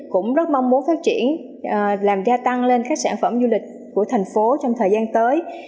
cũng rất mong muốn phát triển làm gia tăng lên các sản phẩm du lịch của thành phố trong thời gian tới